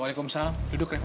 waalaikumsalam duduk rekma